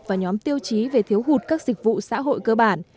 và nhóm tiêu chí về thiếu hụt các dịch vụ xã hội cơ bản